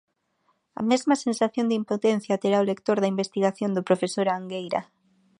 A mesma sensación de impotencia terá o lector da investigación do profesor Angueira.